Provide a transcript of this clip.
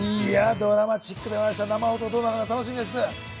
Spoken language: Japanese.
ドラマチックでございました、生放送どうなるか楽しみでございます。